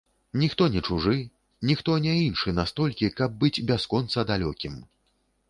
Ніхто не чужы, ніхто не іншы настолькі, каб быць бясконца далёкім.